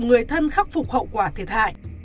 người thân khắc phục hậu quả thiệt hại